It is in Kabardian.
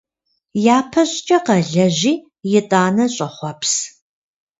Япэщӏыкӏэ къэлэжьи, итӏанэ щӏэхъуэпс.